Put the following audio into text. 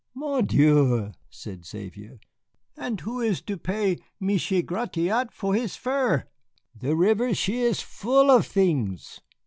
"Mon Dieu," said Xavier, "and who is to pay Michié Gratiot for his fur? The river, she is full of things."